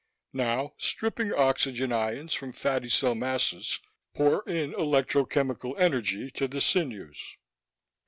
Now, stripping oxygen ions from fatty cell masses, pour in electro chemical energy to the sinews....